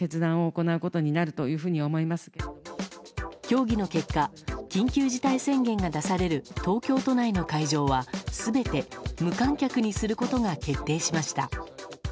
協議の結果緊急事態宣言が出される東京都内の会場は全て無観客にすることが決定しました。